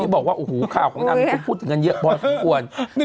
บอกว่าข้าวของน่ามจะพูดเยอะกันแน่กว่าน